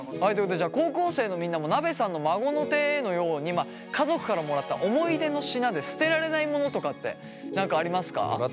高校生のみんなもなべさんの孫の手のように家族からもらった思い出の品で捨てられないモノとかって何かありますか？